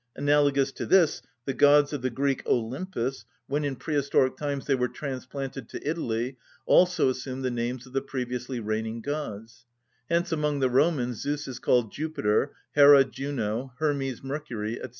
Analogous to this, the gods of the Greek Olympus, when in prehistoric times they were transplanted to Italy, also assumed the names of the previously reigning gods: hence among the Romans Zeus is called Jupiter, Hera Juno, Hermes Mercury, &c.